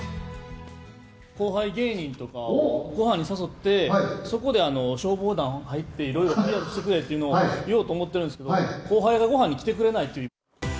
後輩芸人とかをごはんに誘って、そこで消防団入って、いろいろＰＲしてくれっていうのを言おうと思ってるんですけど、後輩がごはんに来てくれないという。